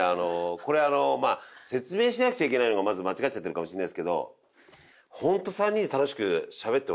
これまあ説明しなくちゃいけないのがまず間違っちゃってるかもしれないですけどホント３人で楽しくしゃべって笑ってたんですよ。